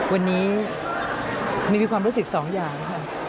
วันนี้มีความรู้สึกสองอย่างค่ะ